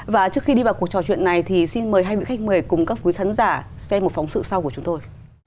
và trước khi đi vào cuộc trò chuyện này thì xin mời hai vị khách mời cùng các quý khán giả xem một phóng sự sau của chúng tôi